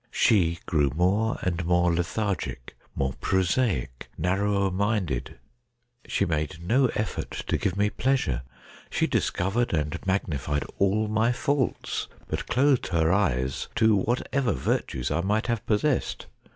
She grew more and more lethargic, more prosaic, narrower minded. She made no effort to give me pleasure. She discovered and magnified all my faults, but closed her eyes to whatever virtues I might have possessed.